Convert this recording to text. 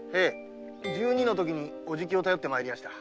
十二歳のときに叔父貴を頼って参りやした。